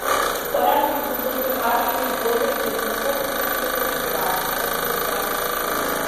Бара избо, са сгәы каршәны иббозаргьы, бнахыкәшаны бцагәышьозаап, баԥырӡаан…